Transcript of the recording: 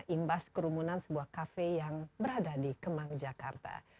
imbas kerumunan sebuah kafe yang berada di kemang jakarta